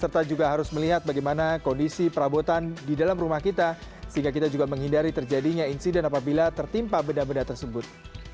serta juga harus melihat bagaimana kondisi perabotan di dalam rumah kita sehingga kita juga menghindari terjadinya insiden apabila tertimpa benda benda tersebut